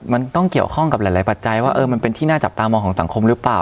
มันต้องเกี่ยวข้องกับหลายปัจจัยว่ามันเป็นที่น่าจับตามองของสังคมหรือเปล่า